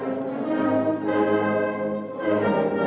lagu kebangsaan indonesia raya